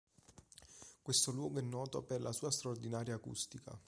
Questo luogo è noto per la sua straordinaria acustica.